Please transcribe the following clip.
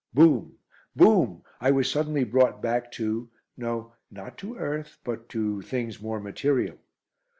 Boom! Boom! I was suddenly brought back to no, not to earth, but to things more material.